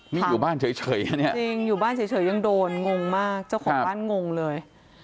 นี่อยู่บ้านเฉยอ่ะเนี่ยจริงอยู่บ้านเฉยยังโดนงงมากเจ้าของบ้านงงเลย